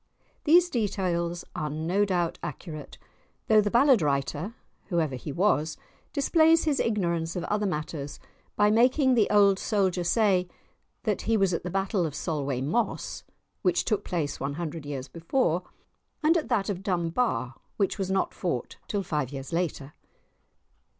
These details are no doubt accurate; though the ballad writer (whoever he was) displays his ignorance of other matters by making the old soldier say that he was at the battle of Solway Moss (which took place one hundred years before) and at that of Dunbar, which was not fought till five years later!